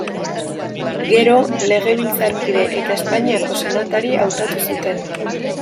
Gero legebiltzarkide eta Espainiako senatari hautatu zuten.